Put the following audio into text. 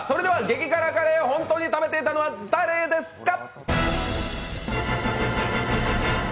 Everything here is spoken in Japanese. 激辛カレーを本当に食べていたのは誰ですか？